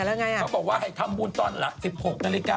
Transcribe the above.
เขาบอกว่าให้ทำบุญตอนละ๑๖นาฬิกา